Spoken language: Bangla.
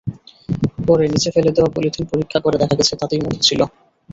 পরে নিচে ফেলে দেওয়া পলিথিন পরীক্ষা করে দেখা গেছে, তাতে মধুই ছিল।